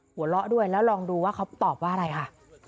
หัวเราะด้วยแล้วลองดูว่าเขาตอบว่าอะไรค่ะ